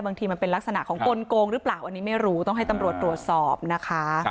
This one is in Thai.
บางทีมันเป็นลักษณะของกลงหรือเปล่าอันนี้ไม่รู้ต้องให้ตำรวจตรวจสอบนะคะ